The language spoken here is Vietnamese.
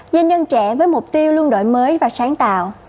dân dân trẻ với mục tiêu luôn đổi mới và sáng tạo